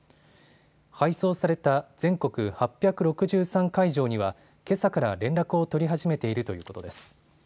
配送された全国８６３会場にはけさから連絡を取り始めているということです。